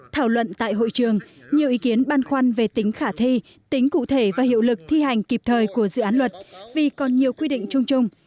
thảo luận tại hội trường nhiều ý kiến băn khoăn về tính khả thi tính cụ thể và hiệu lực thi hành kịp thời của dự án luật vì còn nhiều quy định chung chung